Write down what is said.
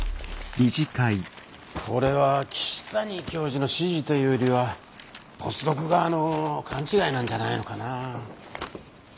これは岸谷教授の指示というよりはポスドク側の勘違いなんじゃないのかな。